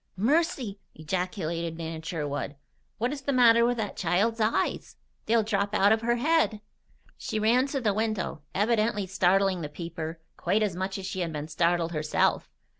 "Mercy!" ejaculated Nan Sherwood. "What is the matter with that child's eyes? They'll drop out of her head!" She ran to the window, evidently startling the peeper quite as much as she had been startled herself.